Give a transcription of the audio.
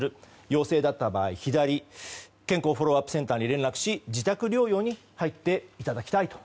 陽性だった場合健康フォローアップセンターに連絡し、自宅療養に入っていただきたいと。